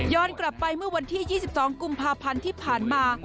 กลับไปเมื่อวันที่๒๒กุมภาพันธ์ที่ผ่านมา